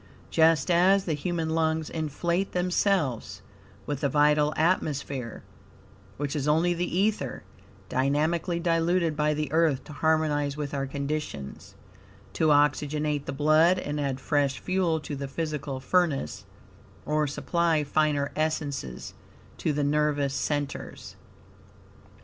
Just as the human lungs inflate themselves with the vital atmosphere, (which is only the ether, dynamically diluted by the Earth to harmonize with our conditions), to oxygenate the blood and add fresh fuel to the physical furnace, or supply finer essences to the nervous centers.